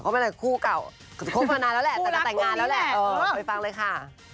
ไปฟังเลยค่ะ